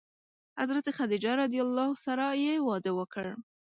حضرت خدیجه رض سره یې واده وکړ.